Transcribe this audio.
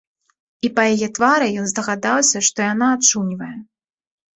І па яе твары ён здагадаўся, што яна ачуньвае.